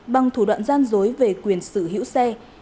bằng thủ đoạn gian dối về quyền sở hữu xe